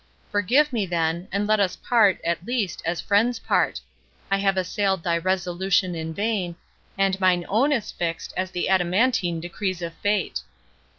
Forgive me, then, and let us part, at least, as friends part. I have assailed thy resolution in vain, and mine own is fixed as the adamantine decrees of fate."